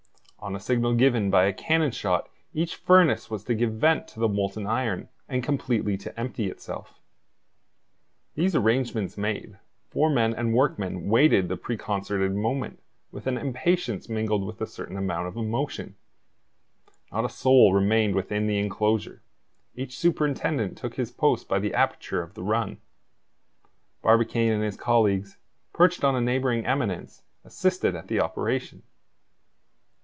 On a signal given by a cannon shot each furnace was to give vent to the molten iron and completely to empty itself. These arrangements made, foremen and workmen waited the preconcerted moment with an impatience mingled with a certain amount of emotion. Not a soul remained within the enclosure. Each superintendent took his post by the aperture of the run. Barbicane and his colleagues, perched on a neighboring eminence, assisted at the operation.